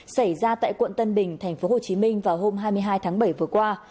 xảy ra tại quận tân bình thành phố hồ chí minh vào hôm hai mươi hai tháng bảy vừa qua